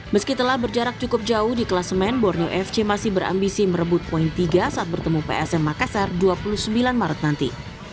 meski telah berjarak cukup jauh di kelas men borneo fc masih berambisi merebut poin tiga saat bertemu psm makassar dua puluh sembilan maret nanti